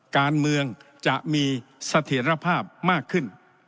การเมืองจะมีเสถียรภาพมากขึ้น